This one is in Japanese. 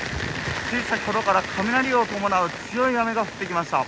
つい先ほどから雷を伴う強い雨が降ってきました。